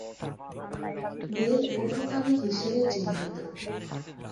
Bell উভকামী হিসাবে চিহ্নিত।